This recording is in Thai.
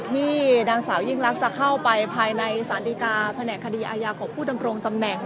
ที่นางสาวยิ่งรักจะเข้าไปภายในสารดีกาแผนกคดีอาญาของผู้ดำรงตำแหน่ง